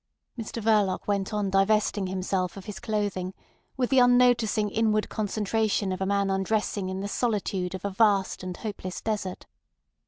Mr Verloc went on divesting himself of his clothing with the unnoticing inward concentration of a man undressing in the solitude of a vast and hopeless desert.